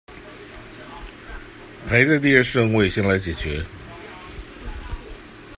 排在第二順位先來解決